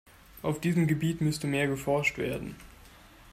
Auf diesem Gebiet müsste mehr geforscht werden.